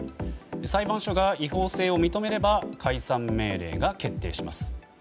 裁判所が違法性を認めれば解散命令が決定します。